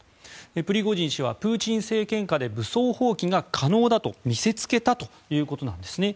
プリゴジン氏はプーチン政権下で武装蜂起が可能だと見せつけたということなんですね。